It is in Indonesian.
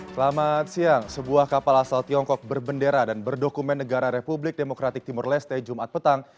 selamat siang sebuah kapal asal tiongkok berbendera dan berdokumen negara republik demokratik timur leste jumat petang